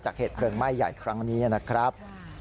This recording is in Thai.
เหตุเพลิงไหม้ใหญ่ครั้งนี้นะครับ